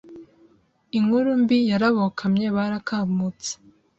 Inkuru mbi yarabokamye barakamutse